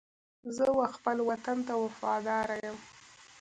زه و خپل وطن ته وفاداره یم.